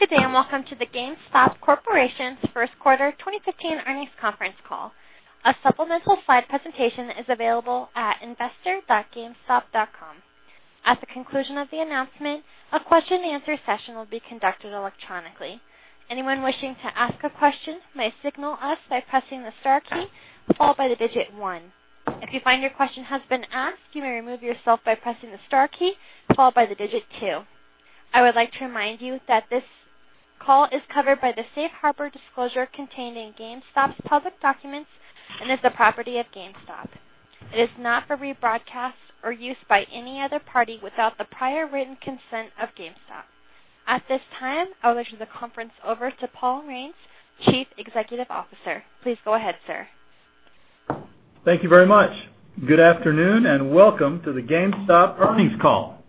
Good day, welcome to the GameStop Corporation's first quarter 2015 earnings conference call. A supplemental slide presentation is available at investor.gamestop.com. At the conclusion of the announcement, a question and answer session will be conducted electronically. Anyone wishing to ask a question may signal us by pressing the star key, followed by the digit 1. If you find your question has been asked, you may remove yourself by pressing the star key, followed by the digit 2. I would like to remind you that this call is covered by the safe harbor disclosure contained in GameStop's public documents and is the property of GameStop. It is not for rebroadcast or use by any other party without the prior written consent of GameStop. At this time, I'll turn the conference over to Paul Raines, Chief Executive Officer. Please go ahead, sir. Thank you very much. Good afternoon, welcome to the GameStop earnings call.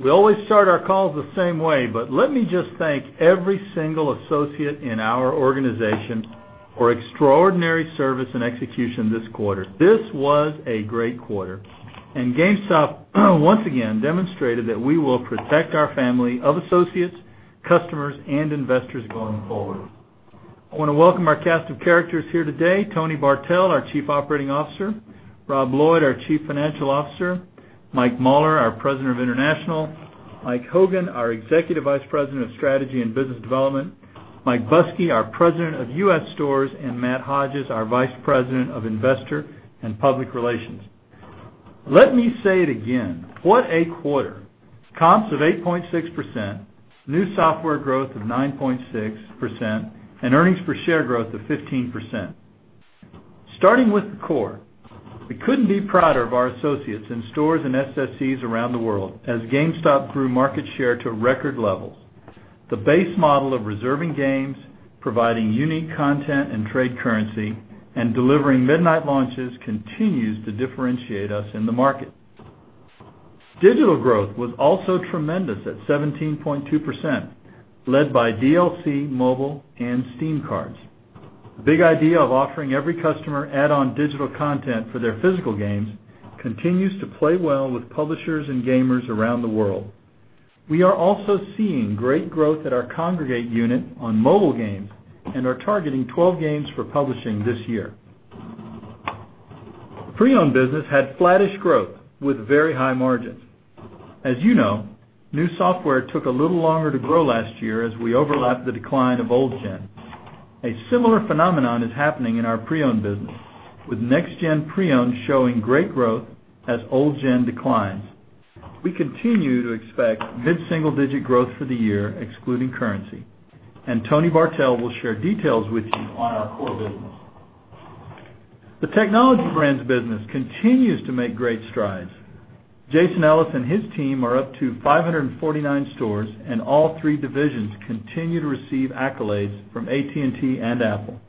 We always start our calls the same way, let me just thank every single associate in our organization for extraordinary service and execution this quarter. This was a great quarter, GameStop, once again, demonstrated that we will protect our family of associates, customers, and investors going forward. I want to welcome our cast of characters here today, Tony Bartel, our Chief Operating Officer, Rob Lloyd, our Chief Financial Officer, Mike Mauler, our President of International, Mike Hogan, our Executive Vice President of Strategy and Business Development, Mike Buskey, our President of U.S. Stores, Matt Hodges, our Vice President of Investor and Public Relations. Let me say it again, what a quarter. Comps of 8.6%, new software growth of 9.6%, earnings per share growth of 15%. Starting with the core, we couldn't be prouder of our associates in stores and SSCs around the world, as GameStop grew market share to record levels. The base model of reserving games, providing unique content and trade currency, and delivering midnight launches continues to differentiate us in the market. Digital growth was also tremendous at 17.2%, led by DLC, mobile, and Steam cards. The big idea of offering every customer add-on digital content for their physical games continues to play well with publishers and gamers around the world. We are also seeing great growth at our Kongregate unit on mobile games and are targeting 12 games for publishing this year. Pre-owned business had flattish growth with very high margins. As you know, new software took a little longer to grow last year as we overlapped the decline of old gen. A similar phenomenon is happening in our pre-owned business, with next gen pre-owned showing great growth as old gen declines. We continue to expect mid-single digit growth for the year excluding currency, Tony Bartel will share details with you on our core business. The Technology Brands business continues to make great strides. Jason Ellis and his team are up to 549 stores, all three divisions continue to receive accolades from AT&T and Apple.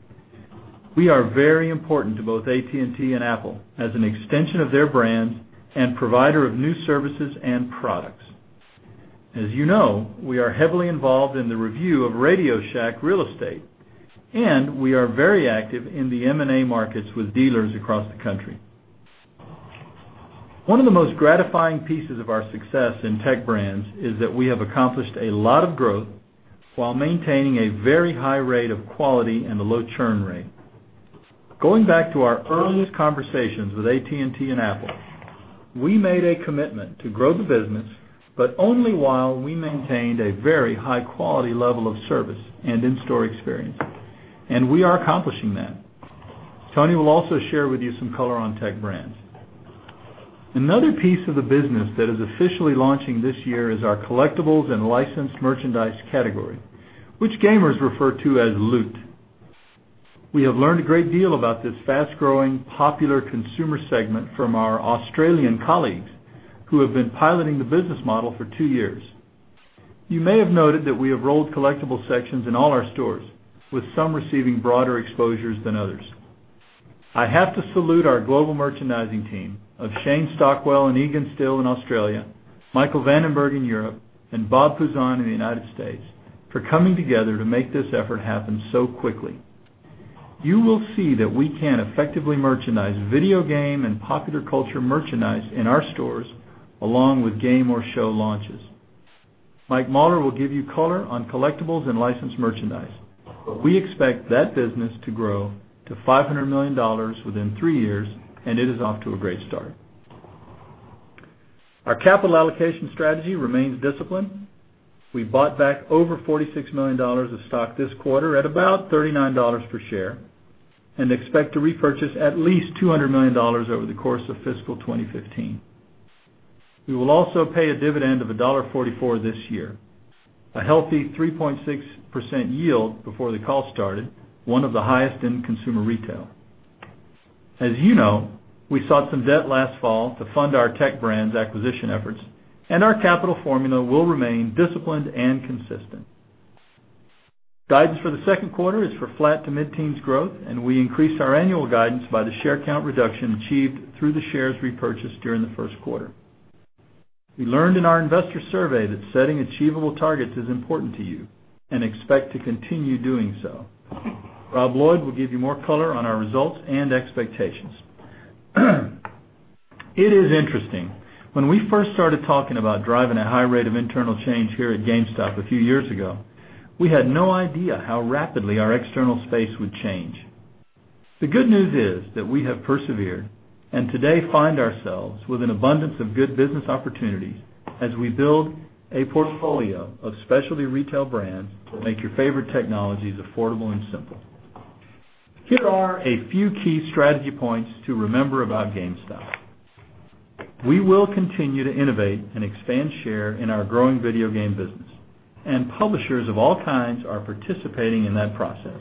We are very important to both AT&T and Apple as an extension of their brands and provider of new services and products. As you know, we are heavily involved in the review of RadioShack real estate, we are very active in the M&A markets with dealers across the country. One of the most gratifying pieces of our success in Technology Brands is that we have accomplished a lot of growth while maintaining a very high rate of quality and a low churn rate. Going back to our earliest conversations with AT&T and Apple, we made a commitment to grow the business, but only while we maintained a very high quality level of service and in-store experience, and we are accomplishing that. Tony will also share with you some color on Technology Brands. Another piece of the business that is officially launching this year is our collectibles and licensed merchandise category, which gamers refer to as loot. We have learned a great deal about this fast-growing, popular consumer segment from our Australian colleagues, who have been piloting the business model for two years. You may have noted that we have rolled collectible sections in all our stores, with some receiving broader exposures than others. I have to salute our global merchandising team of Shane Stockwell and Egon Still in Australia, Michael Vandenberg in Europe, and Bob Puzon in the U.S. for coming together to make this effort happen so quickly. You will see that we can effectively merchandise video game and popular culture merchandise in our stores along with game or show launches. Mike Mauler will give you color on collectibles and licensed merchandise. We expect that business to grow to $500 million within three years, and it is off to a great start. Our capital allocation strategy remains disciplined. We bought back over $46 million of stock this quarter at about $39 per share and expect to repurchase at least $200 million over the course of fiscal 2015. We will also pay a dividend of $1.44 this year, a healthy 3.6% yield before the call started, one of the highest in consumer retail. As you know, we sought some debt last fall to fund our Technology Brands acquisition efforts, and our capital formula will remain disciplined and consistent. Guidance for the second quarter is for flat to mid-teens growth, and we increased our annual guidance by the share count reduction achieved through the shares repurchased during the first quarter. We learned in our investor survey that setting achievable targets is important to you and expect to continue doing so. Rob Lloyd will give you more color on our results and expectations. It is interesting. When we first started talking about driving a high rate of internal change here at GameStop a few years ago, we had no idea how rapidly our external space would change. The good news is that we have persevered and today find ourselves with an abundance of good business opportunities as we build a portfolio of specialty retail brands to make your favorite technologies affordable and simple. Here are a few key strategy points to remember about GameStop. We will continue to innovate and expand share in our growing video game business, and publishers of all kinds are participating in that process.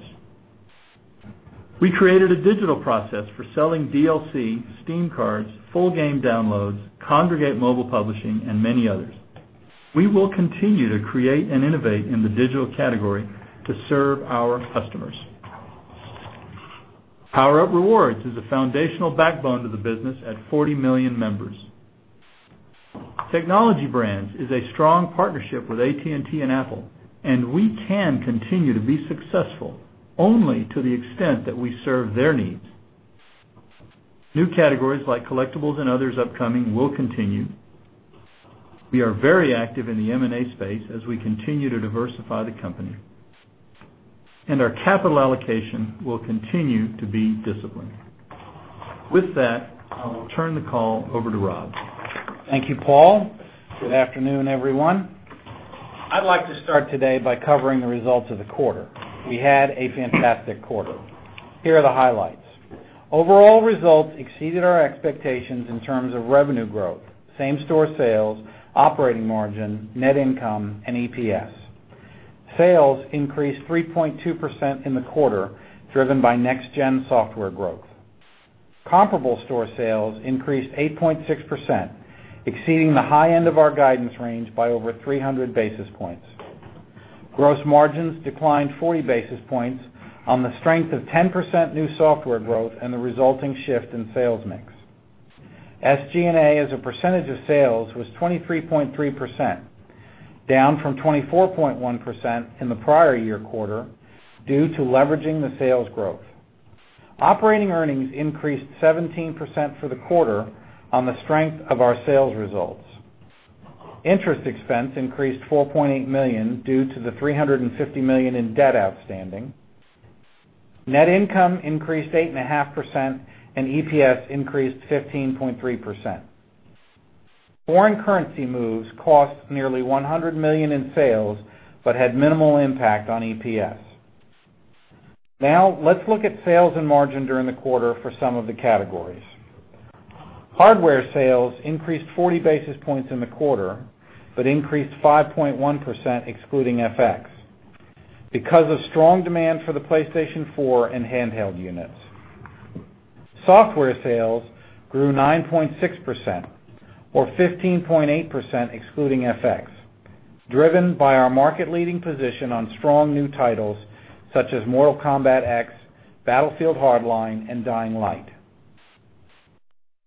We created a digital process for selling DLC, Steam cards, full game downloads, Kongregate mobile publishing, and many others. We will continue to create and innovate in the digital category to serve our customers. PowerUp Rewards is the foundational backbone to the business at 40 million members. Technology Brands is a strong partnership with AT&T and Apple, and we can continue to be successful only to the extent that we serve their needs. New categories like collectibles and others upcoming will continue. We are very active in the M&A space as we continue to diversify the company. Our capital allocation will continue to be disciplined. With that, I will turn the call over to Rob. Thank you, Paul. Good afternoon, everyone. I'd like to start today by covering the results of the quarter. We had a fantastic quarter. Here are the highlights. Overall results exceeded our expectations in terms of revenue growth, same-store sales, operating margin, net income and EPS. Sales increased 3.2% in the quarter, driven by next-gen software growth. Comparable store sales increased 8.6%, exceeding the high end of our guidance range by over 300 basis points. Gross margins declined 40 basis points on the strength of 10% new software growth and the resulting shift in sales mix. SG&A as a percentage of sales was 23.3%, down from 24.1% in the prior year quarter due to leveraging the sales growth. Operating earnings increased 17% for the quarter on the strength of our sales results. Interest expense increased to $4.8 million due to the $350 million in debt outstanding. Net income increased 8.5% and EPS increased 15.3%. Foreign currency moves cost nearly $100 million in sales but had minimal impact on EPS. Let's look at sales and margin during the quarter for some of the categories. Hardware sales increased 40 basis points in the quarter, increased 5.1% excluding FX, because of strong demand for the PlayStation 4 and handheld units. Software sales grew 9.6% or 15.8% excluding FX, driven by our market-leading position on strong new titles such as Mortal Kombat X, Battlefield Hardline and Dying Light.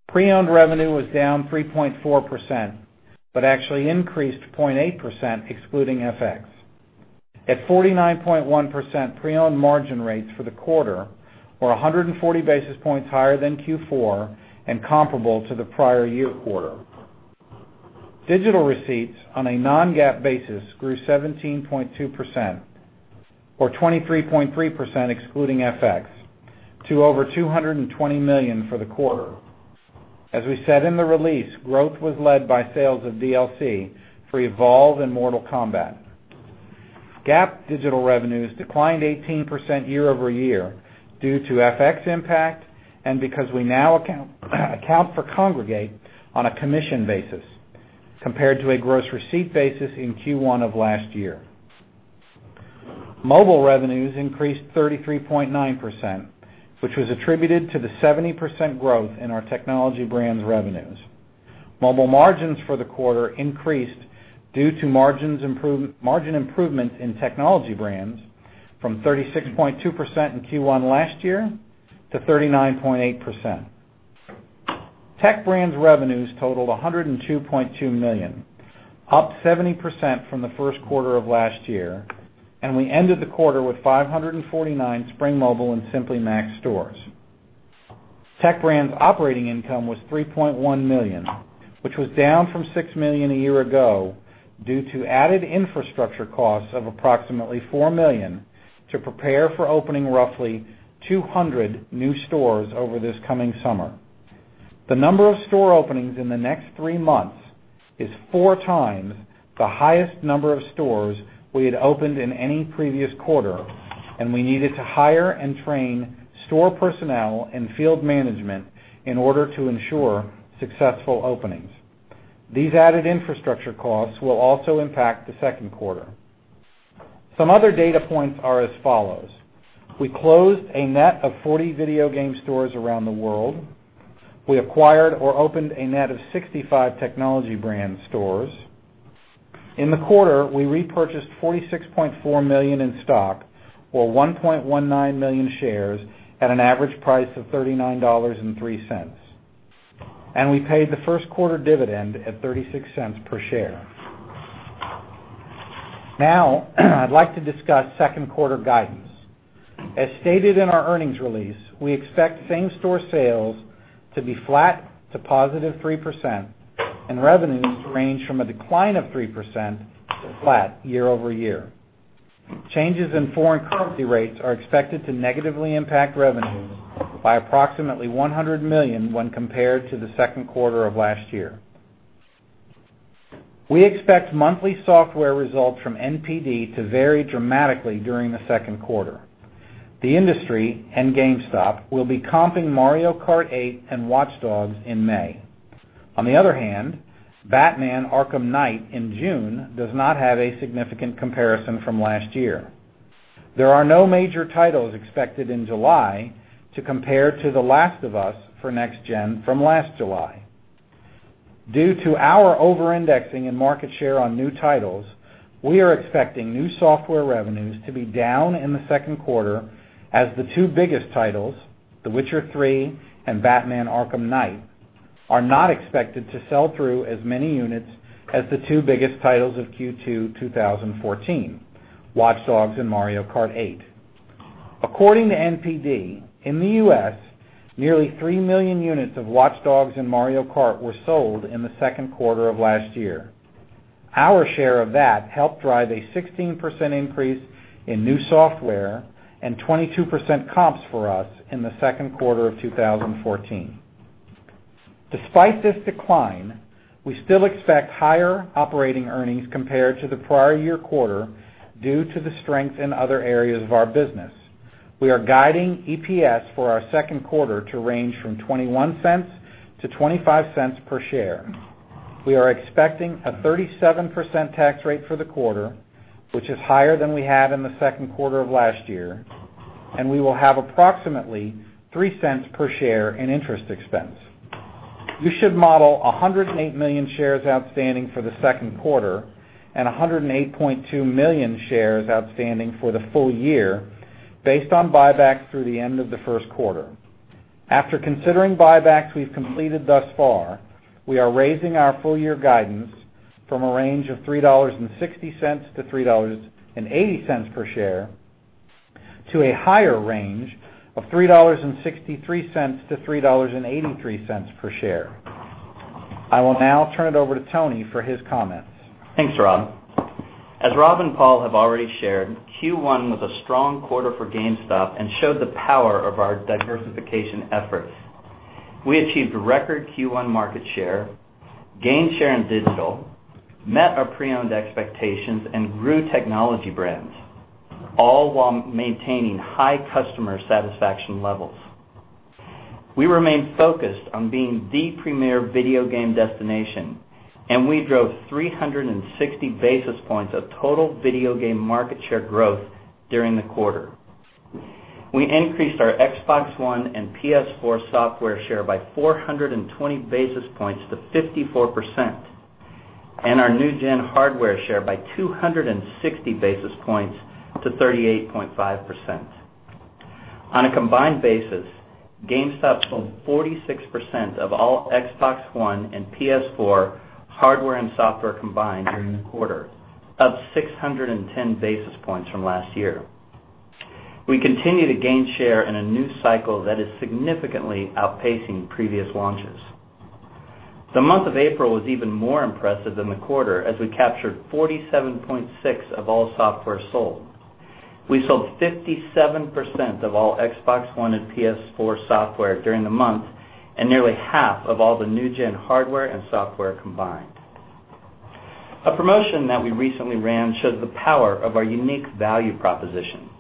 Pre-owned revenue was down 3.4%, actually increased to 0.8% excluding FX, at 49.1% pre-owned margin rates for the quarter were 140 basis points higher than Q4 and comparable to the prior year quarter. Digital receipts on a non-GAAP basis grew 17.2% or 23.3% excluding FX to over $220 million for the quarter. As we said in the release, growth was led by sales of DLC for Evolve and Mortal Kombat. GAAP digital revenues declined 18% year-over-year due to FX impact and because we now account for Kongregate on a commission basis compared to a gross receipt basis in Q1 of last year. Mobile revenues increased 33.9%, which was attributed to the 70% growth in our Technology Brands revenues. Mobile margins for the quarter increased due to margin improvement in Technology Brands from 36.2% in Q1 last year to 39.8%. Tech Brands revenues totaled $102.2 million, up 70% from the first quarter of last year, and we ended the quarter with 549 Spring Mobile and Simply Mac stores. Tech Brands operating income was $3.1 million, which was down from $6 million a year ago due to added infrastructure costs of approximately $4 million to prepare for opening roughly 200 new stores over this coming summer. The number of store openings in the next three months is four times the highest number of stores we had opened in any previous quarter, and we needed to hire and train store personnel and field management in order to ensure successful openings. These added infrastructure costs will also impact the second quarter. Some other data points are as follows. We closed a net of 40 video game stores around the world. We acquired or opened a net of 65 Technology Brands stores. In the quarter, we repurchased $46.4 million in stock or 1.19 million shares at an average price of $39.03. We paid the first quarter dividend at $0.36 per share. Now, I'd like to discuss second quarter guidance. As stated in our earnings release, we expect same-store sales to be flat to +3%, and revenues to range from a decline of -3% to flat year-over-year. Changes in foreign currency rates are expected to negatively impact revenues by approximately $100 million when compared to the second quarter of last year. We expect monthly software results from NPD to vary dramatically during the second quarter. The industry and GameStop will be comping "Mario Kart 8" and "Watch Dogs" in May. On the other hand, "Batman: Arkham Knight" in June does not have a significant comparison from last year. There are no major titles expected in July to compare to "The Last of Us" for next-gen from last July. Due to our over-indexing and market share on new titles, we are expecting new software revenues to be down in the second quarter as the two biggest titles, "The Witcher 3" and "Batman: Arkham Knight", are not expected to sell through as many units as the two biggest titles of Q2 2014, "Watch Dogs" and "Mario Kart 8". According to NPD, in the U.S., nearly 3 million units of "Watch Dogs" and "Mario Kart 8" were sold in the second quarter of last year. Our share of that helped drive a 16% increase in new software and 22% comps for us in the second quarter of 2014. Despite this decline, we still expect higher operating earnings compared to the prior year quarter due to the strength in other areas of our business. We are guiding EPS for our second quarter to range from $0.21 to $0.25 per share. We are expecting a 37% tax rate for the quarter, which is higher than we had in the second quarter of last year. We will have approximately $0.03 per share in interest expense. You should model 108 million shares outstanding for the second quarter and 108.2 million shares outstanding for the full year based on buybacks through the end of the first quarter. After considering buybacks we've completed thus far, we are raising our full year guidance from a range of $3.60-$3.80 per share to a higher range of $3.63-$3.83 per share. I will now turn it over to Tony for his comments. Thanks, Rob. As Rob and Paul have already shared, Q1 was a strong quarter for GameStop and showed the power of our diversification efforts. We achieved record Q1 market share, gained share in digital, met our pre-owned expectations, and grew Technology Brands, all while maintaining high customer satisfaction levels. We remain focused on being the premier video game destination, and we drove 360 basis points of total video game market share growth during the quarter. We increased our Xbox One and PS4 software share by 420 basis points to 54%, and our new-gen hardware share by 260 basis points to 38.5%. On a combined basis, GameStop sold 46% of all Xbox One and PS4 hardware and software combined during the quarter, up 610 basis points from last year. We continue to gain share in a new cycle that is significantly outpacing previous launches. The month of April was even more impressive than the quarter as we captured 47.6% of all software sold. We sold 57% of all Xbox One and PS4 software during the month and nearly half of all the new-gen hardware and software combined. A promotion that we recently ran shows the power of our unique value proposition.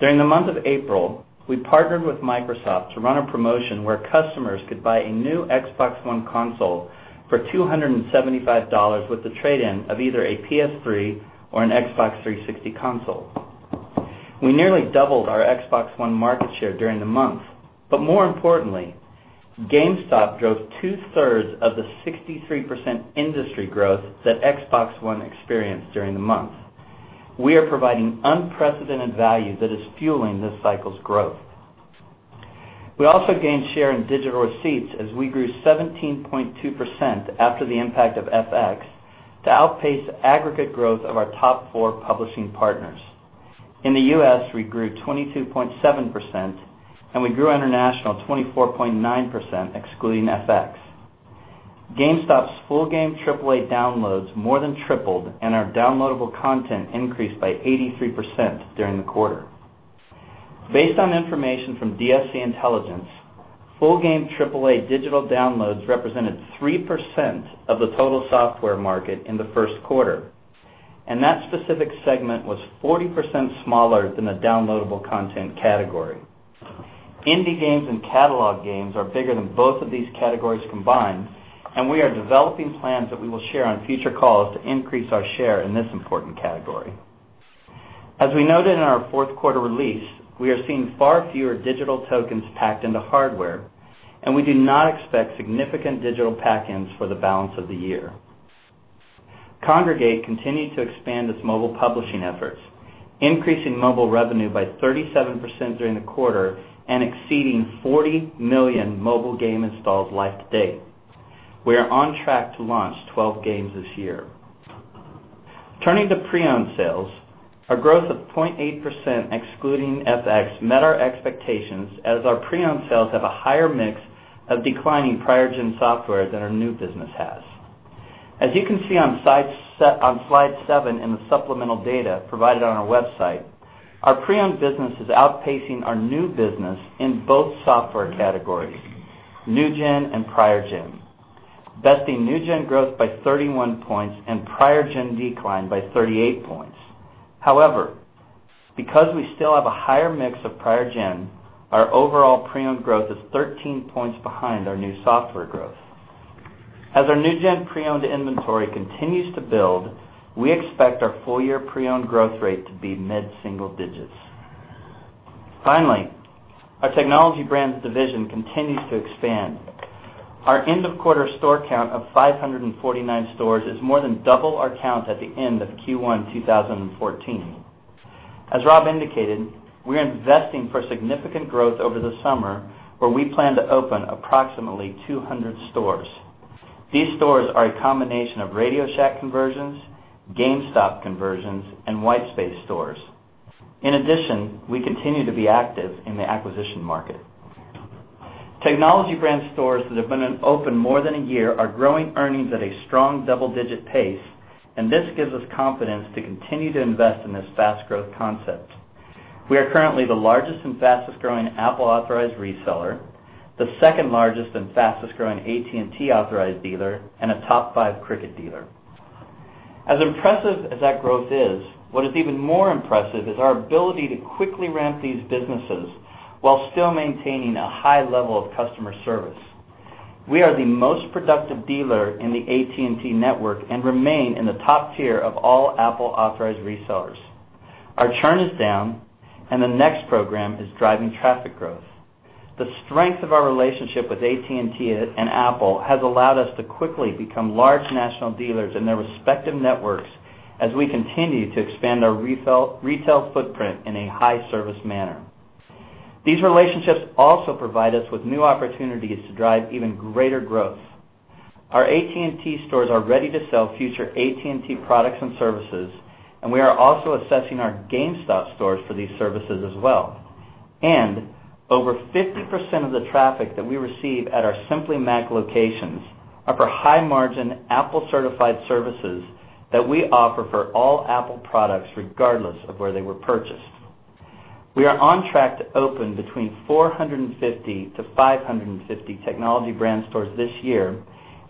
During the month of April, we partnered with Microsoft to run a promotion where customers could buy a new Xbox One console for $275 with the trade-in of either a PS3 or an Xbox 360 console. We nearly doubled our Xbox One market share during the month, more importantly, GameStop drove two-thirds of the 63% industry growth that Xbox One experienced during the month. We are providing unprecedented value that is fueling this cycle's growth. We also gained share in digital receipts as we grew 17.2% after the impact of FX to outpace aggregate growth of our top four publishing partners. In the U.S., we grew 22.7%, we grew international 24.9%, excluding FX. GameStop's full game AAA downloads more than tripled, our downloadable content increased by 83% during the quarter. Based on information from DFC Intelligence, full game AAA digital downloads represented 3% of the total software market in the first quarter, that specific segment was 40% smaller than the downloadable content category. Indie games and catalog games are bigger than both of these categories combined, we are developing plans that we will share on future calls to increase our share in this important category. As we noted in our fourth quarter release, we are seeing far fewer digital tokens packed into hardware, we do not expect significant digital pack-ins for the balance of the year. Kongregate continued to expand its mobile publishing efforts, increasing mobile revenue by 37% during the quarter and exceeding 40 million mobile game installs life to date. We are on track to launch 12 games this year. Turning to pre-owned sales, our growth of 0.8%, excluding FX, met our expectations as our pre-owned sales have a higher mix of declining prior-gen software than our new business has. As you can see on slide seven in the supplemental data provided on our website, our pre-owned business is outpacing our new business in both software categories, new-gen and prior gen, besting new-gen growth by 31 points and prior gen decline by 38 points. Because we still have a higher mix of prior gen, our overall pre-owned growth is 13 points behind our new software growth. As our new-gen pre-owned inventory continues to build, we expect our full-year pre-owned growth rate to be mid-single digits. Our Technology Brands division continues to expand. Our end-of-quarter store count of 549 stores is more than double our count at the end of Q1 2014. As Rob indicated, we're investing for significant growth over the summer, where we plan to open approximately 200 stores. These stores are a combination of RadioShack conversions, GameStop conversions, and white space stores. We continue to be active in the acquisition market. Technology Brands stores that have been open more than a year are growing earnings at a strong double-digit pace, this gives us confidence to continue to invest in this fast growth concept. We are currently the largest and fastest-growing Apple authorized reseller, the second-largest and fastest-growing AT&T authorized dealer, and a top 5 Cricket dealer. As impressive as that growth is, what is even more impressive is our ability to quickly ramp these businesses while still maintaining a high level of customer service. We are the most productive dealer in the AT&T network and remain in the top tier of all Apple authorized resellers. Our churn is down, the next program is driving traffic growth. The strength of our relationship with AT&T and Apple has allowed us to quickly become large national dealers in their respective networks as we continue to expand our retail footprint in a high service manner. These relationships also provide us with new opportunities to drive even greater growth. Our AT&T stores are ready to sell future AT&T products and services, we are also assessing our GameStop stores for these services as well. Over 50% of the traffic that we receive at our Simply Mac locations are for high-margin Apple-certified services that we offer for all Apple products, regardless of where they were purchased. We are on track to open between 450 to 550 Technology Brands stores this year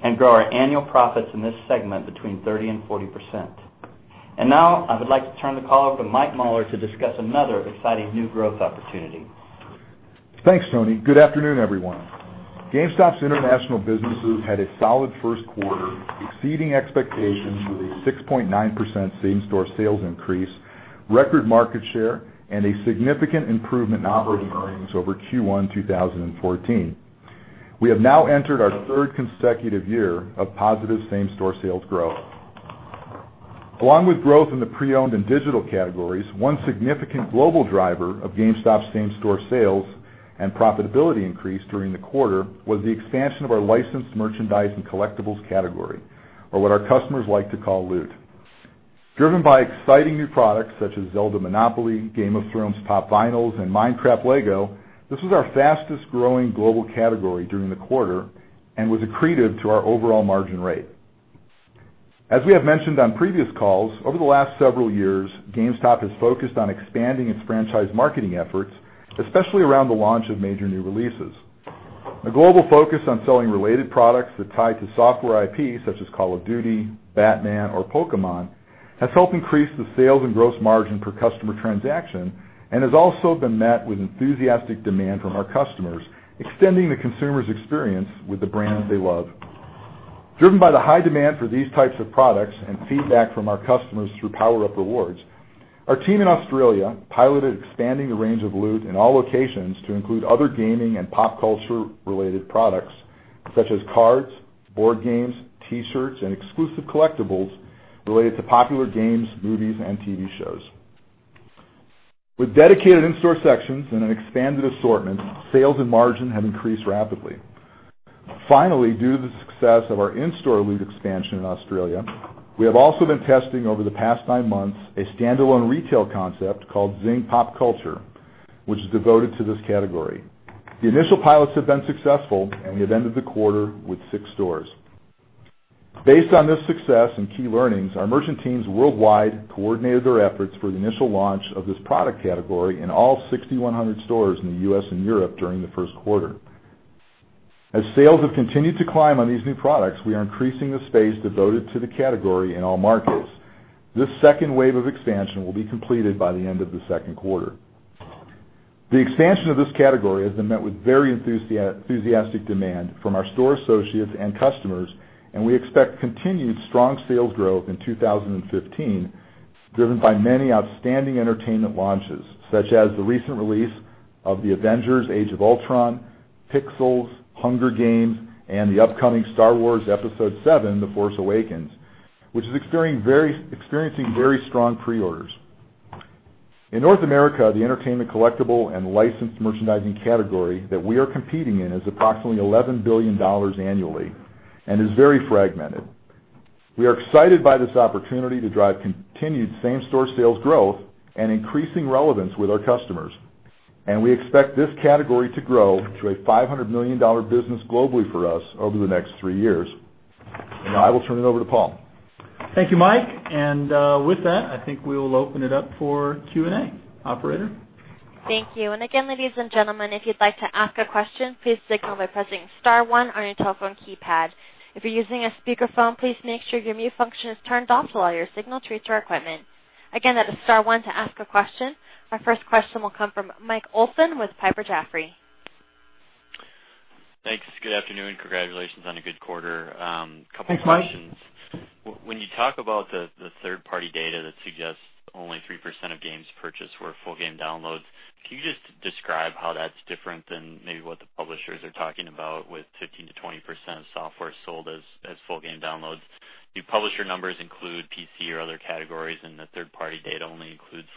and grow our annual profits in this segment between 30% and 40%. Now I would like to turn the call over to Mike Mauler to discuss another exciting new growth opportunity. Thanks, Tony. Good afternoon, everyone. GameStop's international businesses had a solid first quarter, exceeding expectations with a 6.9% same-store sales increase, record market share, and a significant improvement in operating earnings over Q1 2014. We have now entered our third consecutive year of positive same-store sales growth. Along with growth in the pre-owned and digital categories, one significant global driver of GameStop same-store sales and profitability increase during the quarter was the expansion of our licensed merchandise and collectibles category, or what our customers like to call Loot. Driven by exciting new products such as Zelda Monopoly, Game of Thrones Pop! Vinyls, and Minecraft LEGO, this was our fastest-growing global category during the quarter and was accretive to our overall margin rate. As we have mentioned on previous calls, over the last several years, GameStop has focused on expanding its franchise marketing efforts, especially around the launch of major new releases. A global focus on selling related products that tie to software IP, such as Call of Duty, Batman, or Pokémon, has helped increase the sales and gross margin per customer transaction and has also been met with enthusiastic demand from our customers, extending the consumer's experience with the brands they love. Driven by the high demand for these types of products and feedback from our customers through PowerUp Rewards, our team in Australia piloted expanding the range of Loot in all locations to include other gaming and pop culture-related products such as cards, board games, T-shirts, and exclusive collectibles related to popular games, movies, and TV shows. With dedicated in-store sections and an expanded assortment, sales and margin have increased rapidly. Finally, due to the success of our in-store Loot expansion in Australia, we have also been testing over the past nine months a standalone retail concept called Zing Pop Culture, which is devoted to this category. The initial pilots have been successful, and we have ended the quarter with six stores. Based on this success and key learnings, our merchant teams worldwide coordinated their efforts for the initial launch of this product category in all 6,100 stores in the U.S. and Europe during the first quarter. As sales have continued to climb on these new products, we are increasing the space devoted to the category in all markets. This second wave of expansion will be completed by the end of the second quarter. The expansion of this category has been met with very enthusiastic demand from our store associates and customers, and we expect continued strong sales growth in 2015, driven by many outstanding entertainment launches, such as the recent release of The Avengers: Age of Ultron, Pixels, The Hunger Games, and the upcoming Star Wars: The Force Awakens, which is experiencing very strong pre-orders. In North America, the entertainment collectible and licensed merchandising category that we are competing in is approximately $11 billion annually and is very fragmented. We are excited by this opportunity to drive continued same-store sales growth and increasing relevance with our customers. We expect this category to grow to a $500 million business globally for us over the next three years. Now I will turn it over to Paul. Thank you, Mike. With that, I think we will open it up for Q&A. Operator? Thank you. Again, ladies and gentlemen, if you'd like to ask a question, please signal by pressing star one on your telephone keypad. If you're using a speakerphone, please make sure your mute function is turned off while you're signaled through to our equipment. Again, that is star one to ask a question. Our first question will come from Mike Olson with Piper Jaffray. Thanks. Good afternoon. Congratulations on a good quarter. Thanks, Mike. Couple of questions. When you talk about the third-party data that suggests only 3% of games purchased were full game downloads, can you just describe how that's different than maybe what the publishers are talking about with 15%-20% of software sold as full game downloads? Do publisher numbers include PC or other categories, and the third-party data only includes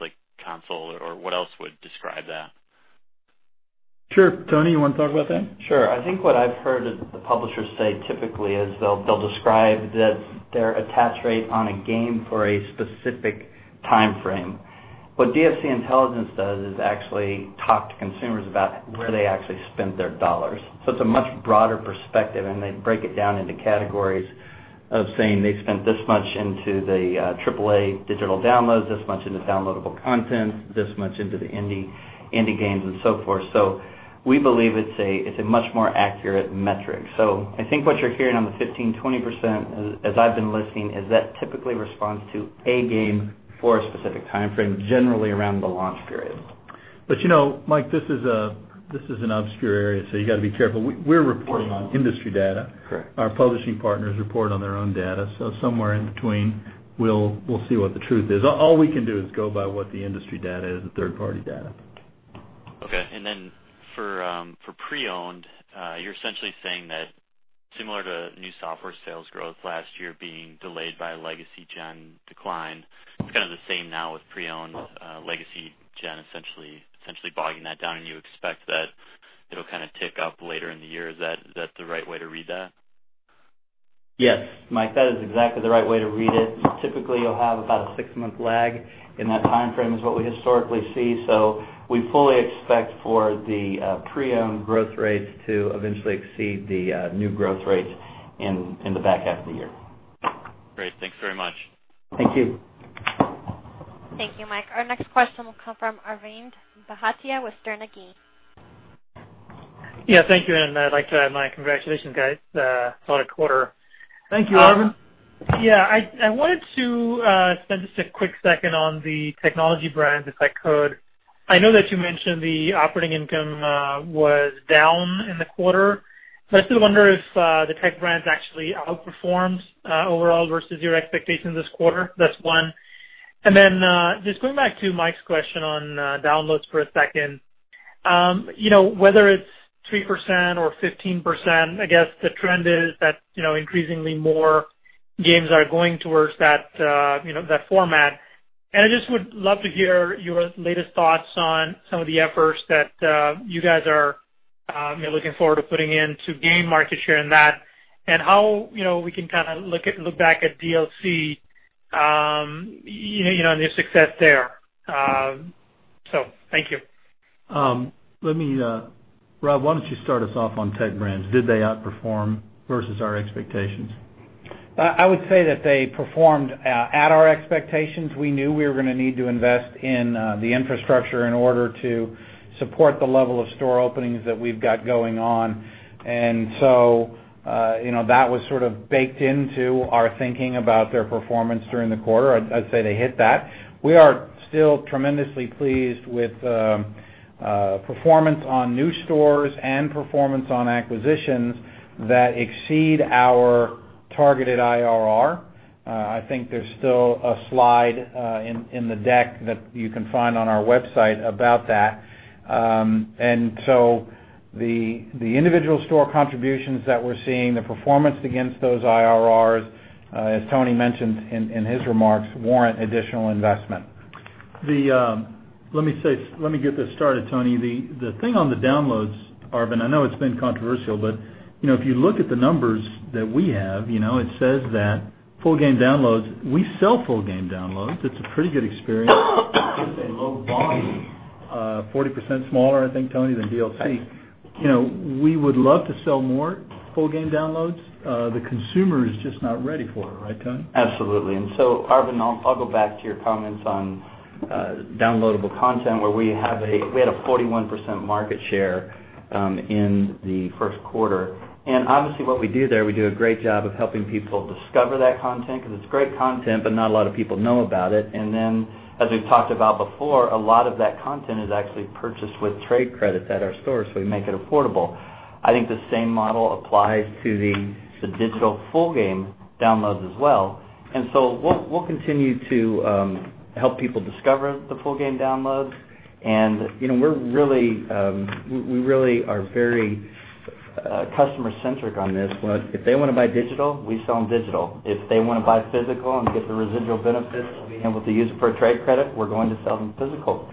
console? What else would describe that? Sure. Tony, you want to talk about that? Sure. I think what I've heard the publishers say typically is, they'll describe their attach rate on a game for a specific timeframe. What DFC Intelligence does is actually talk to consumers about where they actually spent their dollars. It's a much broader perspective, they break it down into categories of saying they spent this much into the AAA digital downloads, this much into downloadable content, this much into the indie games, and so forth. We believe it's a much more accurate metric. I think what you're hearing on the 15%-20%, as I've been listening, is that typically responds to a game for a specific timeframe, generally around the launch period. Mike, this is an obscure area, you got to be careful. We're reporting on industry data. Correct. Our publishing partners report on their own data. Somewhere in between, we'll see what the truth is. All we can do is go by what the industry data is, the third-party data. Okay. For pre-owned, you're essentially saying that similar to new software sales growth last year being delayed by a legacy gen decline, it's kind of the same now with pre-owned, legacy gen essentially bogging that down, and you expect that it'll kind of tick up later in the year. Is that the right way to read that? Yes, Mike, that is exactly the right way to read it. Typically, you'll have about a six-month lag in that timeframe, is what we historically see. We fully expect for the pre-owned growth rates to eventually exceed the new growth rates in the back half of the year. Great. Thanks very much. Thank you. Thank you, Mike. Our next question will come from Arvind Bhatia with Sterne Agee. I'd like to add my congratulations, guys, on a quarter. Thank you, Arvind. Yeah. I wanted to spend just a quick second on the Technology Brands, if I could. I know that you mentioned the operating income was down in the quarter, I still wonder if the Tech Brands actually outperformed overall versus your expectations this quarter. That's one. Then, just going back to Mike's question on downloads for a second. Whether it's 3% or 15%, I guess the trend is that increasingly more games are going towards that format. I just would love to hear your latest thoughts on some of the efforts that you guys are looking forward to putting in to gain market share in that, and how we can kind of look back at DLC and your success there. Thank you. Rob, why don't you start us off on Technology Brands? Did they outperform versus our expectations? I would say that they performed at our expectations. We knew we were going to need to invest in the infrastructure in order to support the level of store openings that we've got going on. That was sort of baked into our thinking about their performance during the quarter. I'd say they hit that. We are still tremendously pleased with performance on new stores and performance on acquisitions that exceed our targeted IRR. I think there's still a slide in the deck that you can find on our website about that. The individual store contributions that we're seeing, the performance against those IRRs, as Tony mentioned in his remarks, warrant additional investment. Let me get this started, Tony. The thing on the downloads, Arvind, I know it's been controversial, if you look at the numbers that we have, it says that full game downloads, we sell full game downloads. It's a pretty good experience. It's a low volume. 40% smaller, I think, Tony, than DLC. We would love to sell more full game downloads. The consumer is just not ready for it. Right, Tony? Absolutely. Arvind, I'll go back to your comments on downloadable content, where we had a 41% market share in the first quarter. Obviously, what we do there, we do a great job of helping people discover that content because it's great content, but not a lot of people know about it. Then, as we've talked about before, a lot of that content is actually purchased with trade credits at our stores, so we make it affordable. I think the same model applies to the digital full game downloads as well. So we'll continue to help people discover the full game downloads We really are very customer-centric on this. If they want to buy digital, we sell them digital. If they want to buy physical and get the residual benefits and be able to use it for a trade credit, we're going to sell them physical.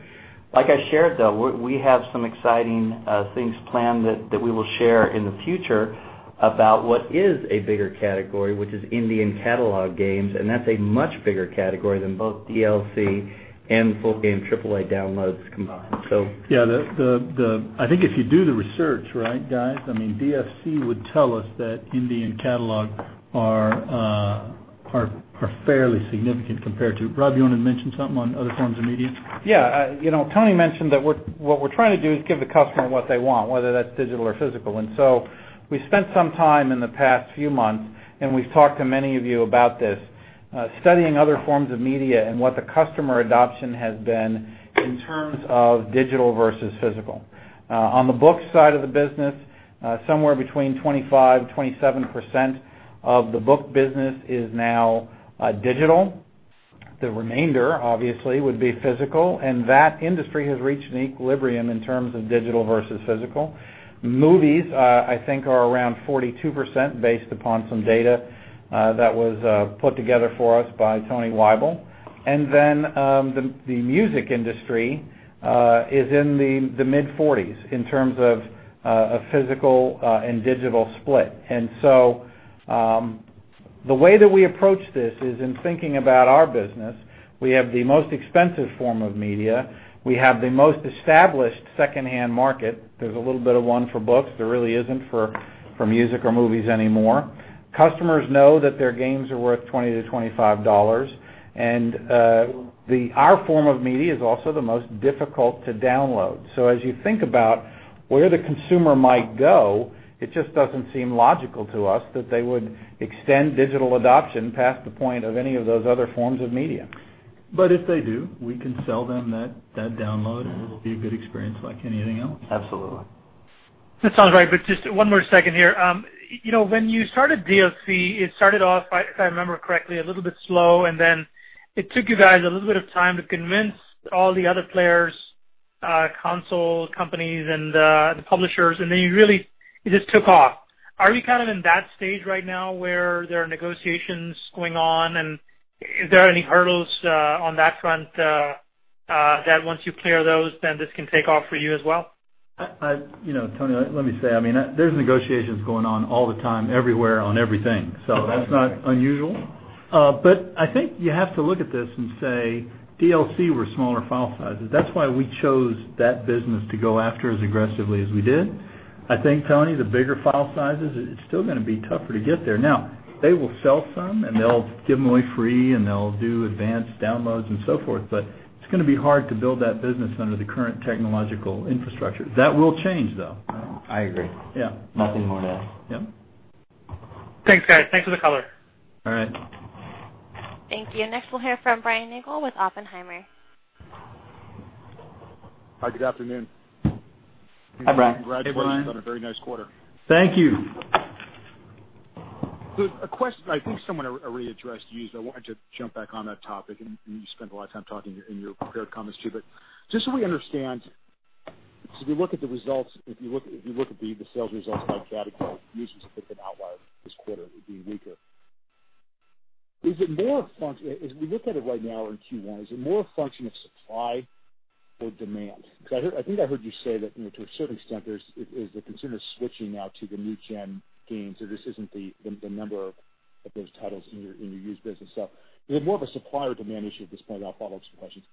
Like I shared, though, we have some exciting things planned that we will share in the future about what is a bigger category, which is indie and catalog games, and that's a much bigger category than both DLC and full game AAA downloads combined. Yeah. I think if you do the research, right, guys, DFC would tell us that indie and catalog are fairly significant compared to, Rob, you want to mention something on other forms of media? Yeah. Tony mentioned that what we're trying to do is give the customer what they want, whether that's digital or physical. We spent some time in the past few months, and we've talked to many of you about this, studying other forms of media and what the customer adoption has been in terms of digital versus physical. On the book side of the business, somewhere between 25%-27% of the book business is now digital. The remainder, obviously, would be physical, and that industry has reached an equilibrium in terms of digital versus physical. Movies, I think, are around 42%, based upon some data that was put together for us by Tony Wible. The music industry is in the mid-40s in terms of physical and digital split. The way that we approach this is in thinking about our business, we have the most expensive form of media. We have the most established secondhand market. There's a little bit of one for books. There really isn't for music or movies anymore. Customers know that their games are worth $20-$25. Our form of media is also the most difficult to download. As you think about where the consumer might go, it just doesn't seem logical to us that they would extend digital adoption past the point of any of those other forms of media. If they do, we can sell them that download, and it'll be a good experience like anything else. Absolutely. That sounds right, but just one more second here. When you started DLC, it started off, if I remember correctly, a little bit slow, and then it took you guys a little bit of time to convince all the other players, console companies, and the publishers, and then it just took off. Are you in that stage right now where there are negotiations going on, and are there any hurdles on that front that once you clear those, then this can take off for you as well? Tony, let me say, there's negotiations going on all the time, everywhere, on everything. That's not unusual. I think you have to look at this and say, DLC were smaller file sizes. That's why we chose that business to go after as aggressively as we did. I think, Tony, the bigger file sizes, it's still going to be tougher to get there. Now, they will sell some, and they'll give them away free, and they'll do advanced downloads and so forth. It's going to be hard to build that business under the current technological infrastructure. That will change, though. I agree. Yeah. Nothing more to add. Yeah. Thanks, guys. Thanks for the color. All right. Thank you. We'll hear from Brian Nagel with Oppenheimer. Hi, good afternoon. Hi, Brian. Hey, Brian. Congratulations on a very nice quarter. Thank you. A question I think someone already addressed to you, so I wanted to jump back on that topic, and you spent a lot of time talking in your prepared comments, too. Just so we understand, so if you look at the sales results by category, used was a bit of an outlier this quarter, it being weaker. As we look at it right now in Q1, is it more a function of supply or demand? Because I think I heard you say that to a certain extent, the consumer is switching now to the new-gen games, so this isn't the number of those titles in your used business. Is it more of a supply or demand issue at this point? I'll follow up with some questions.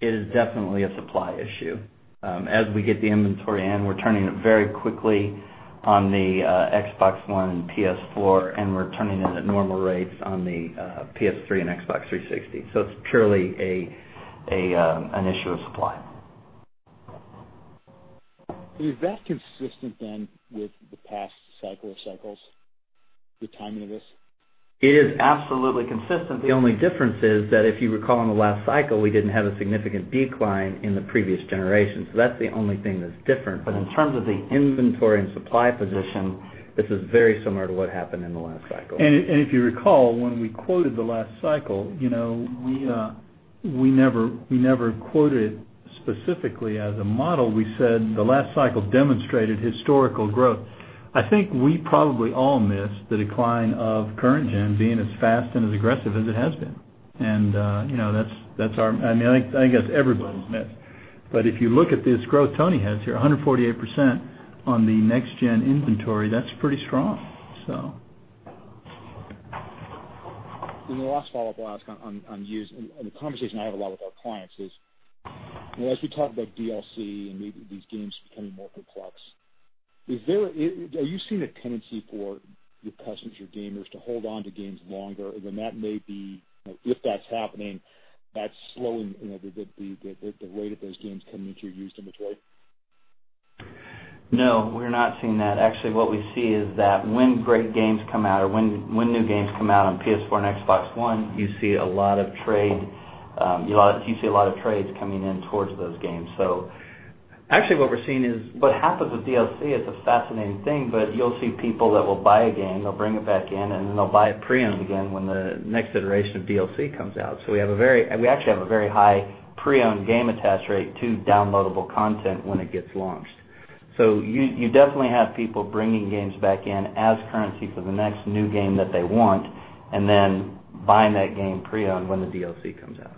It is definitely a supply issue. As we get the inventory in, we're turning it very quickly on the Xbox One and PS4, and we're turning it at normal rates on the PS3 and Xbox 360. It's purely an issue of supply. Is that consistent then with the past cycle of cycles, the timing of this? It is absolutely consistent. The only difference is that if you recall in the last cycle, we didn't have a significant decline in the previous generation. That's the only thing that's different. In terms of the inventory and supply position, this is very similar to what happened in the last cycle. If you recall, when we quoted the last cycle, we never quoted specifically as a model. We said the last cycle demonstrated historical growth. I think we probably all missed the decline of current gen being as fast and as aggressive as it has been. I guess everybody's missed. If you look at this growth Tony has here, 148% on the next-gen inventory, that's pretty strong. The last follow-up I'll ask on used, and the conversation I have a lot with our clients is, as we talk about DLC and maybe these games becoming more complex, are you seeing a tendency for your customers, your gamers, to hold onto games longer? If that's happening, that's slowing the rate of those games coming into your used inventory. No, we're not seeing that. Actually, what we see is that when great games come out or when new games come out on PlayStation 4 and Xbox One, you see a lot of trades coming in towards those games. Actually, what we're seeing is what happens with DLC is a fascinating thing, you'll see people that will buy a game, they'll bring it back in, and then they'll buy it pre-owned again when the next iteration of DLC comes out. We actually have a very high pre-owned game attach rate to downloadable content when it gets launched. You definitely have people bringing games back in as currency for the next new game that they want, and then buying that game pre-owned when the DLC comes out.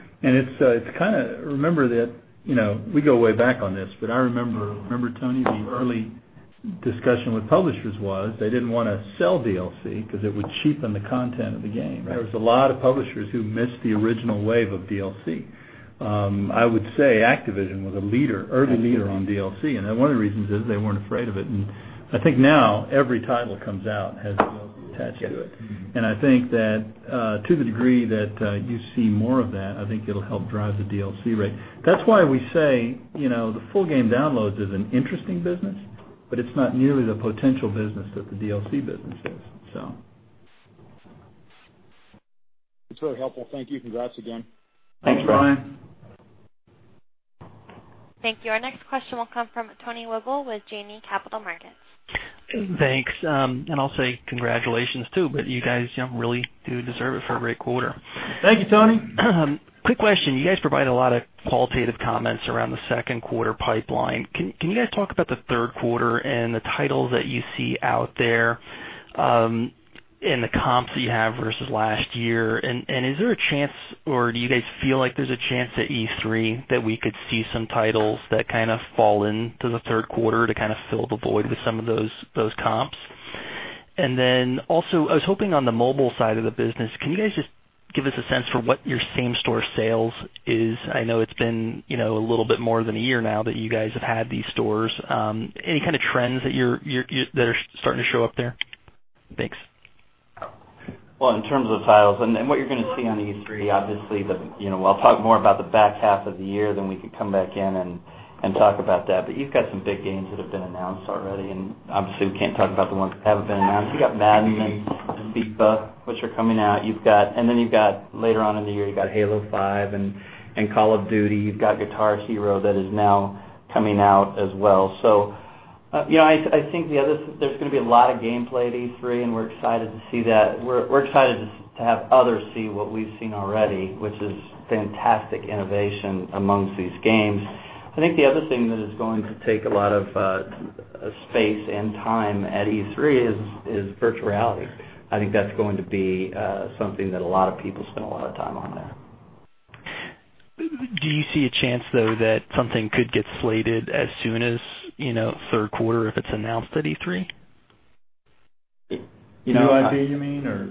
Remember that we go way back on this, I remember, Tony, the early discussion with publishers was they didn't want to sell DLC because it would cheapen the content of the game. There was a lot of publishers who missed the original wave of DLC. I would say Activision was an early leader on DLC, one of the reasons is they weren't afraid of it. I think now every title comes out, has DLC attached to it. Yes. I think that to the degree that you see more of that, I think it'll help drive the DLC rate. That's why we say, the full game downloads is an interesting business, but it's not nearly the potential business that the DLC business is. It's really helpful. Thank you. Congrats again. Thanks, Brian. Thanks, Brian. Thank you. Our next question will come from Tony Wible with Janney Capital Markets. Thanks. I'll say congratulations, too. You guys really do deserve it for a great quarter. Thank you, Tony. Quick question. You guys provide a lot of qualitative comments around the second quarter pipeline. Can you guys talk about the third quarter and the titles that you see out there, the comps that you have versus last year, is there a chance, or do you guys feel like there's a chance at E3 that we could see some titles that kind of fall into the third quarter to kind of fill the void with some of those comps? Also, I was hoping on the mobile side of the business, can you guys just give us a sense for what your same-store sales is? I know it's been a little bit more than a year now that you guys have had these stores. Any kind of trends that are starting to show up there? Thanks. In terms of titles and what you're going to see on E3, obviously, I'll talk more about the back half of the year, we can come back in and talk about that. You've got some big games that have been announced already, and obviously, we can't talk about the ones that haven't been announced. You've got "Madden" and "FIFA," which are coming out. Later on in the year, you've got "Halo 5" and "Call of Duty." You've got "Guitar Hero" that is now coming out as well. I think there's going to be a lot of gameplay at E3, and we're excited to see that. We're excited to have others see what we've seen already, which is fantastic innovation amongst these games. I think the other thing that is going to take a lot of space and time at E3 is virtual reality. I think that's going to be something that a lot of people spend a lot of time on there. Do you see a chance, though, that something could get slated as soon as third quarter if it's announced at E3? New IP, you mean, or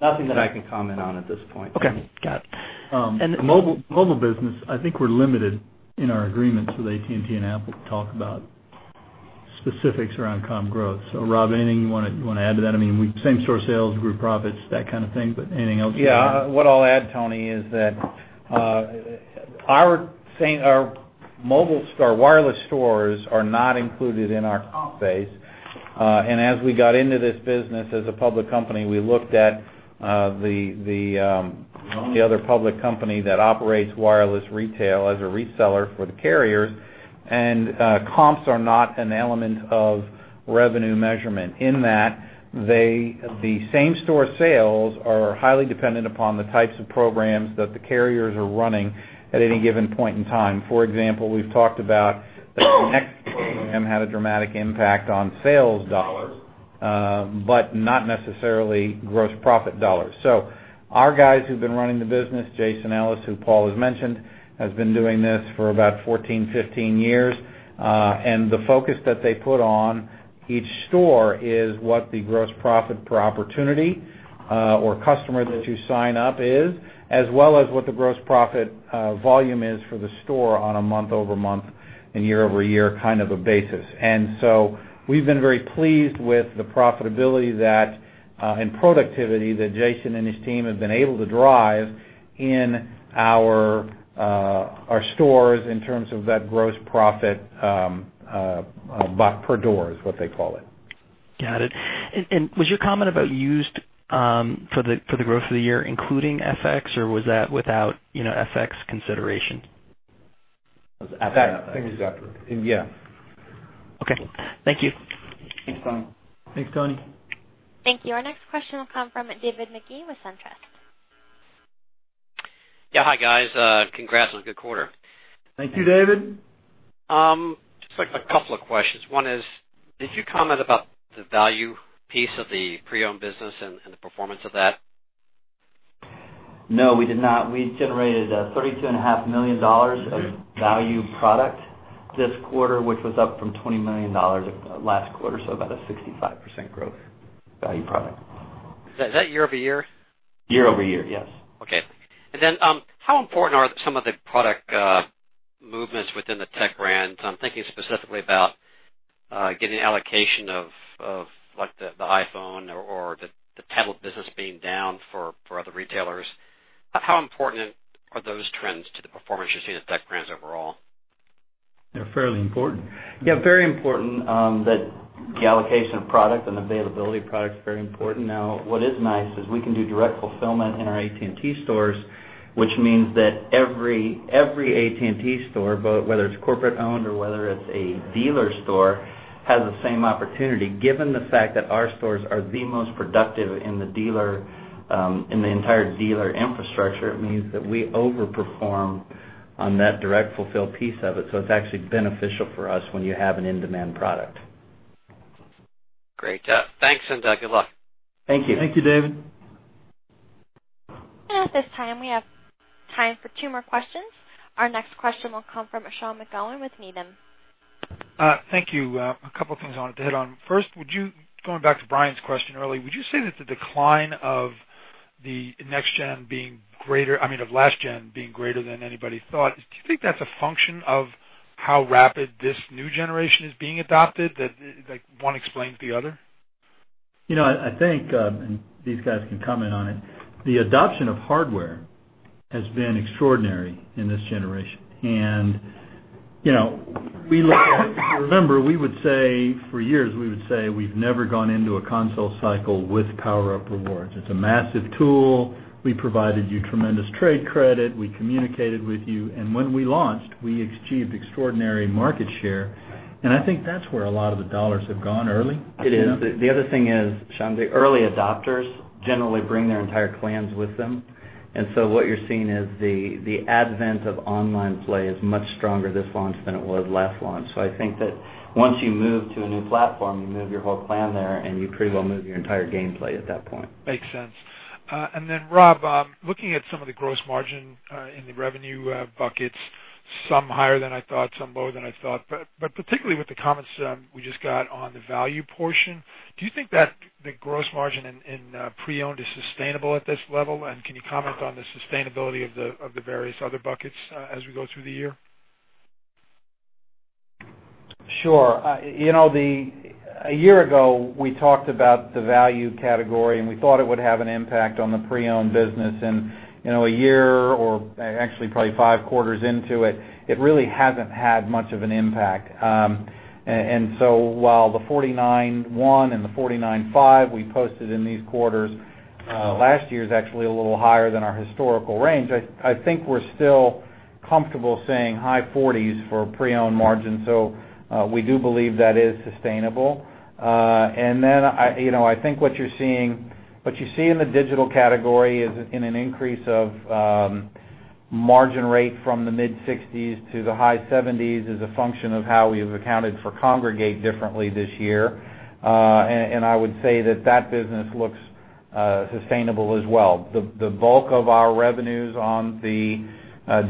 Nothing that I can comment on at this point, Tony. Okay. Got it. Mobile business, I think we're limited in our agreements with AT&T and Apple to talk about specifics around comp growth. Rob, anything you want to add to that? Same-store sales, group profits, that kind of thing, anything else you want to add? Yeah. What I'll add, Tony, is that our wireless stores are not included in our comp base. As we got into this business as a public company, we looked at the only other public company that operates wireless retail as a reseller for the carriers, comps are not an element of revenue measurement, in that the same-store sales are highly dependent upon the types of programs that the carriers are running at any given point in time. For example, we've talked about the next program had a dramatic impact on sales dollars, but not necessarily gross profit dollars. Our guys who've been running the business, Jason Ellis, who Paul has mentioned, has been doing this for about 14, 15 years. The focus that they put on each store is what the gross profit per opportunity, or customer that you sign up is, as well as what the gross profit volume is for the store on a month-over-month and year-over-year kind of a basis. We've been very pleased with the profitability and productivity that Jason and his team have been able to drive in our stores in terms of that gross profit per door, is what they call it. Got it. Was your comment about used for the growth of the year including FX, or was that without FX consideration? That figure's after. Yeah. Okay. Thank you. Thanks, Tony. Thanks, Tony. Thank you. Our next question will come from David Magee with SunTrust. Yeah. Hi, guys. Congrats on a good quarter. Thank you, David. Just a couple of questions. One is, did you comment about the value piece of the pre-owned business and the performance of that? No, we did not. We generated $32.5 million of value product this quarter, which was up from $20 million last quarter, so about a 65% growth value product. Is that year over year? Year-over-year, yes. How important are some of the product movements within the Technology Brands? I'm thinking specifically about getting allocation of the iPhone or the tablet business being down for other retailers. How important are those trends to the performance you're seeing at Technology Brands overall? They're fairly important. Very important, that the allocation of product and availability of product is very important. What is nice is we can do direct fulfillment in our AT&T stores, which means that every AT&T store, whether it's corporate-owned or whether it's a dealer store, has the same opportunity. Given the fact that our stores are the most productive in the entire dealer infrastructure, it means that we overperform on that direct fulfill piece of it. It's actually beneficial for us when you have an in-demand product. Great. Thanks, good luck. Thank you. Thank you, David. At this time, we have time for two more questions. Our next question will come from Sean McGowan with Needham. Thank you. A couple things I wanted to hit on. First, going back to Brian's question earlier, would you say that the decline of last gen being greater than anybody thought, do you think that's a function of how rapid this new generation is being adopted? That one explains the other? I think, these guys can comment on it, the adoption of hardware has been extraordinary in this generation. Remember, for years, we would say we've never gone into a console cycle with PowerUp Rewards. It's a massive tool. We provided you tremendous trade credit, we communicated with you, when we launched, we achieved extraordinary market share, I think that's where a lot of the dollars have gone early. It is. The other thing is, Sean, the early adopters generally bring their entire clans with them. What you're seeing is the advent of online play is much stronger this launch than it was last launch. I think that once you move to a new platform, you move your whole clan there, you pretty well move your entire gameplay at that point. Makes sense. Rob, looking at some of the gross margin in the revenue buckets, some higher than I thought, some lower than I thought, but particularly with the comments we just got on the value portion, do you think that the gross margin in pre-owned is sustainable at this level? Can you comment on the sustainability of the various other buckets as we go through the year? Sure. A year ago, we talked about the value category, we thought it would have an impact on the pre-owned business, a year or actually probably 5 quarters into it really hasn't had much of an impact. While the 49.1 and the 49.5 we posted in these quarters last year is actually a little higher than our historical range, I think we're still comfortable saying high 40s for pre-owned margin. We do believe that is sustainable. I think what you see in the digital category is in an increase of margin rate from the mid-60s to the high 70s is a function of how we've accounted for Kongregate differently this year. I would say that that business looks sustainable as well. The bulk of our revenues on the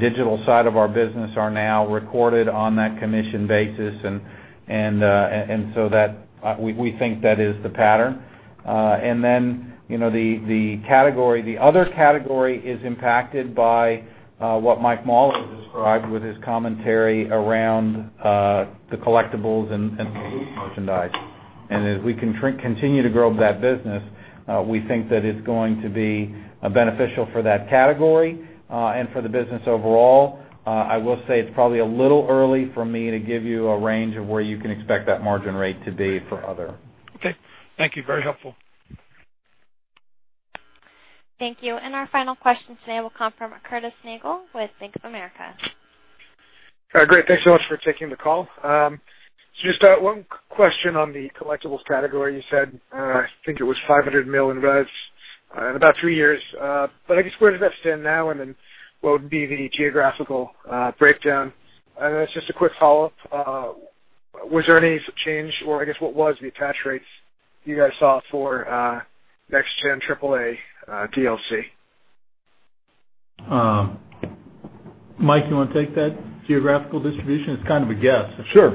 digital side of our business are now recorded on that commission basis, we think that is the pattern. The other category is impacted by what Mike Mauler described with his commentary around the collectibles and the loose merchandise. As we continue to grow that business, we think that it's going to be beneficial for that category, and for the business overall. I will say it's probably a little early for me to give you a range of where you can expect that margin rate to be for other. Okay. Thank you. Very helpful. Thank you. Our final question today will come from Curtis Nagle with Bank of America. Great. Thanks so much for taking the call. Just one question on the collectibles category. You said, I think it was $500 million in revenue in about three years. I guess, where does that stand now, what would be the geographical breakdown? Just a quick follow-up, was there any change, or I guess what was the attach rates you guys saw for next gen AAA DLC? Mike, you want to take that geographical distribution? It's kind of a guess. Sure.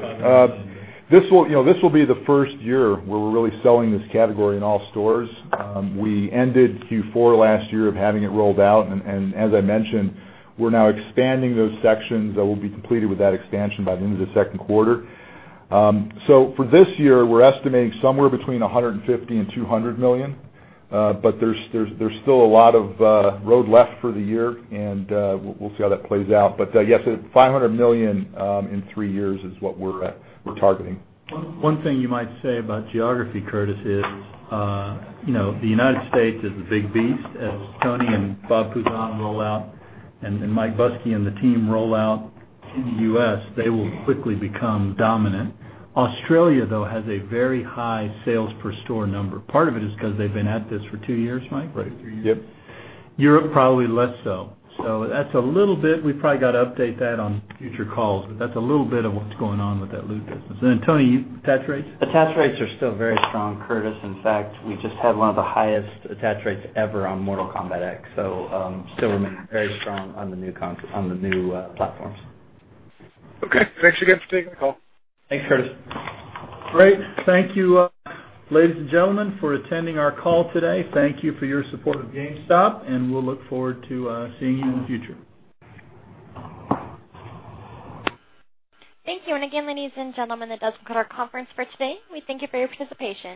This will be the first year where we're really selling this category in all stores. We ended Q4 last year of having it rolled out, as I mentioned, we're now expanding those sections that will be completed with that expansion by the end of the second quarter. For this year, we're estimating somewhere between $150 million and $200 million. There's still a lot of road left for the year, we'll see how that plays out. Yes, $500 million in three years is what we're targeting. One thing you might say about geography, Curtis, is the United States is the big beast. As Tony and Bob Puzon roll out, Mike Buskey and the team roll out in the U.S., they will quickly become dominant. Australia, though, has a very high sales per store number. Part of it is because they've been at this for two years, Mike, right? Yep. Europe probably less so. That's a little bit, we've probably got to update that on future calls, that's a little bit of what's going on with that loot business. Tony, attach rates? Attach rates are still very strong, Curtis. In fact, we just had one of the highest attach rates ever on Mortal Kombat X, still remain very strong on the new platforms. Okay. Thanks again for taking the call. Thanks, Curtis. Great. Thank you, ladies and gentlemen, for attending our call today. Thank you for your support of GameStop, we'll look forward to seeing you in the future. Thank you. Again, ladies and gentlemen, that does conclude our conference for today. We thank you for your participation.